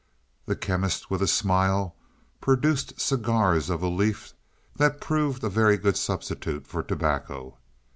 The Chemist with a smile produced cigars of a leaf that proved a very good substitute for tobacco.